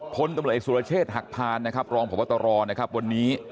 คนตำรวจเอกสุรเชษฐ์หักพานรองพบตรวันนี้